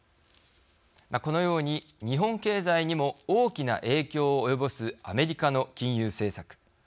このように日本経済にも大きな影響を及ぼすアメリカの金融政策。